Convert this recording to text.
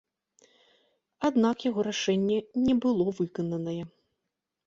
Аднак яго рашэнне не было выкананае.